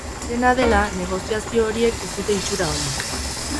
Dena dela, negoziazio horiek ez dute itxura onik.